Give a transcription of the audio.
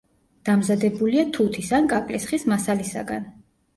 დამზადებულია თუთის ან კაკლის ხის მასალისაგან.